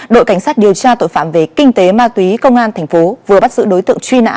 đội cảnh sát điều tra tội phạm về kinh tế ma túy công an tp vừa bắt giữ đối tượng truy nã